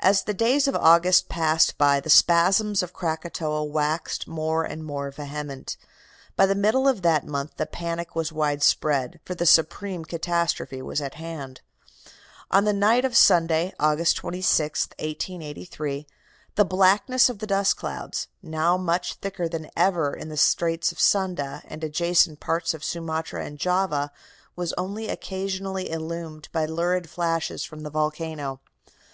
"As the days of August passed by the spasms of Krakatoa waxed more and more vehement. By the middle of that month the panic was widespread, for the supreme catastrophe was at hand. On the night of Sunday, August 26, 1883, the blackness of the dust clouds, now much thicker than ever in the Straits of Sunda and adjacent parts of Sumatra and Java, was only occasionally illumined by lurid flashes from the volcano.